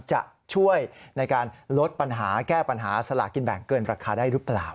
จะช่วยในการลดปัญหาแก้ปัญหาสลากินแบ่งเกินราคาได้หรือเปล่า